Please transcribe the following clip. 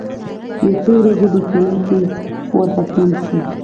یو څو ورځي په کلا کي ورته تم سو